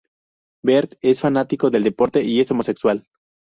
Bert es fanático del deporte y es homosexual.